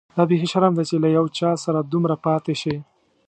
دا بيخي شرم دی چي له یو چا سره دومره پاتې شې.